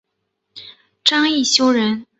张懋修人。